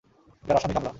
এটা রাসায়িক হামলা।